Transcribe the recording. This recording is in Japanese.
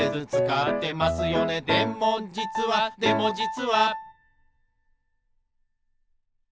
「でもじつはでもじつは」